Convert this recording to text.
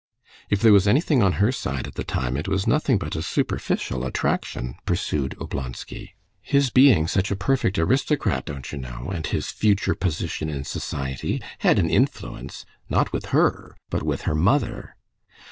"If there was anything on her side at the time, it was nothing but a superficial attraction," pursued Oblonsky. "His being such a perfect aristocrat, don't you know, and his future position in society, had an influence not with her, but with her mother."